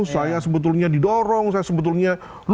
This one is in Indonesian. saya sebetulnya didorong saya sebetulnya